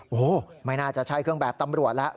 โอ้โหไม่น่าจะใช่เครื่องแบบตำรวจแล้ว